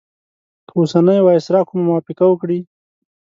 که اوسنی وایسرا کومه موافقه وکړي.